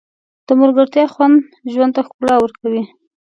د ملګرتیا خوند ژوند ته ښکلا ورکوي.